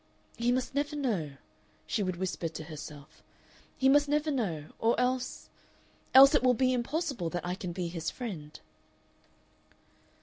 "He must never know," she would whisper to herself, "he must never know. Or else Else it will be impossible that I can be his friend."